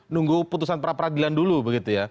nunggu putusan pra peradilan dulu begitu ya